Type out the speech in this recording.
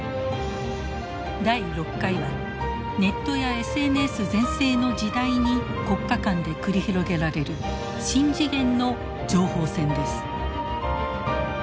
第６回はネットやＳＮＳ全盛の時代に国家間で繰り広げられる新次元の情報戦です。